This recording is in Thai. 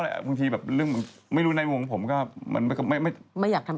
แต่จริงแล้วแบบแต่ไม่รู้ในวงของผมก็ไม่มี